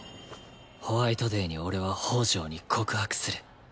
ホワイトデーに俺は北条に告白する。